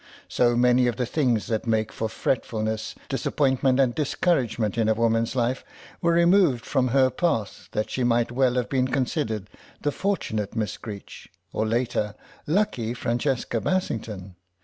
So many of the things that make for fretfulness, disappointment and discouragement in a woman's life were removed from her path that she might well have been considered the fortunate Miss Greech, or later, lucky Francesca Bassington.